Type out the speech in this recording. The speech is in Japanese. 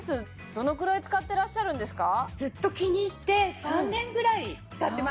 どのぐらい使ってらっしゃるんですか？